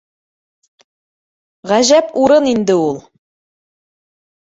Ғәжәп урын инде ул